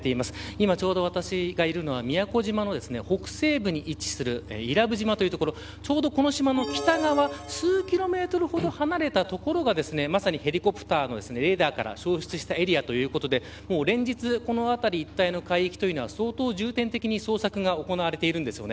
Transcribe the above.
今ちょうど私がいるのは宮古島の北西部に位置する伊良部島という所ちょうどこの島の北側数キロメートルほど離れた所がまさにヘリコプターのレーダーから消失したエリアということで連日この辺り一帯の海域というのは相当重点的に捜索が行われています。